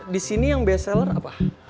disini yang best seller apa